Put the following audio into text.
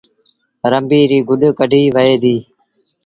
رنبيٚ ريٚ گڏ ڪڍيٚ وهي ديٚ